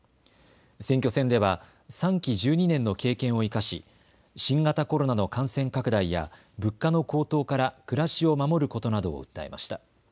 選挙戦では３期１２年の経験を生かし新型コロナの感染拡大や物価の高騰から暮らしを守ることなどを訴えました。